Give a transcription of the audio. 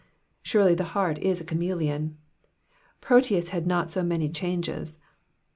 Surely the heart is a chameleon. Proteus had not so many changes.